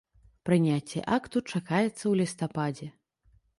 Прыняцце акту чакаецца ў лістападзе.